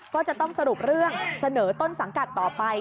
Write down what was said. ก็จะต้องสรุปเรื่องเสนอต้นสังกัดต่อไป